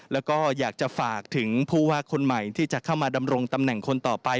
แล้วก็อยากจะฝากถึงผู้ว่าคนใหม่ที่จะเข้ามาดำรงตำแหน่งคนต่อไป